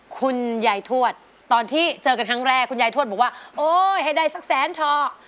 คุณยายทวดตอนที่เจอกันครั้งแรกคุณยายทวดบอกว่าโอ๊ยให้ได้สักแสนเถอะ